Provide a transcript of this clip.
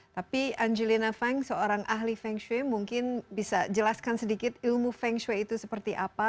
tapi angelina feng seorang ahli feng shui mungkin bisa jelaskan sedikit ilmu feng shui itu seperti apa